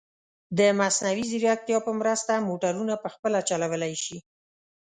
د مصنوعي ځیرکتیا په مرسته، موټرونه په خپله چلولی شي.